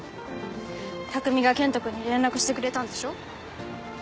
匠が健人君に連絡してくれたんでしょ？